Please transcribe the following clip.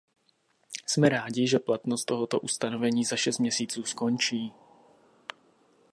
Jsme rádi, že platnost tohoto ustanovení za šest měsíců skončí.